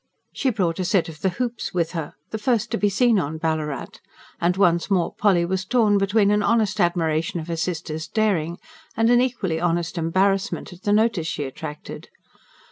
She brought a set of "the hoops" with her the first to be seen on Ballarat and once more Polly was torn between an honest admiration of her sister's daring, and an equally honest embarrassment at the notice she attracted.